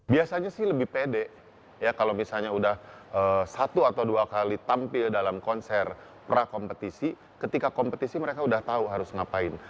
biasanya sih lebih pede ya kalau misalnya udah satu atau dua kali tampil dalam konser prakompetisi ketika kompetisi mereka udah tahu harus ngapain